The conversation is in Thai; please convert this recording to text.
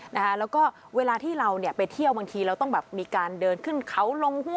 แล้วก็เวลาที่เราเนี่ยไปเที่ยวบางทีเราต้องแบบมีการเดินขึ้นเขาลงหัว